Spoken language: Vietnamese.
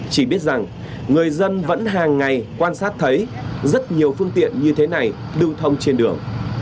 chỉ biết rằng người dân vẫn hàng ngày quan sát thấy rất nhiều phương tiện như thế này lưu thông trên đường